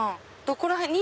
どこら辺？